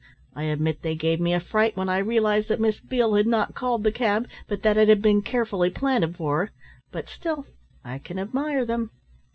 I admit they gave me a fright when I realised that Miss Beale had not called the cab, but that it had been carefully planted for her, but still I can admire them."